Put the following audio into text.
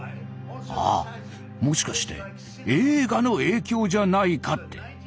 ああもしかして映画の影響じゃないかって。